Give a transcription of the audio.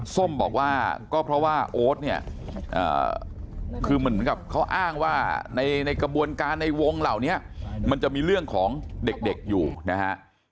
ส้มบอกว่าก็เพราะว่าโอ๊ตเนี่ยคือเหมือนกับเขาอ้างว่าในกระบวนการในวงเหล่านี้มันจะมีเรื่องของเด็กอยู่นะฮะ